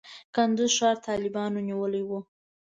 کندز ښار طالبانو نیولی و.